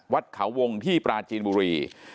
วัดเขาวงที่ปราจีนบุรี